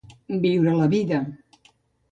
Viure la vida.